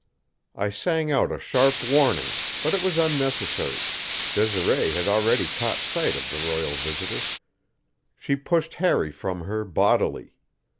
I sang out a sharp warning, but it was unnecessary; Desiree had already caught sight of the royal visitor. She pushed Harry from her bodily.